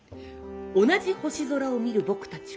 「同じ星空を見る僕たちは」。